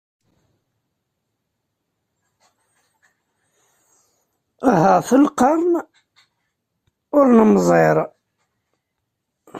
Ahat lqern ur nemmẓir!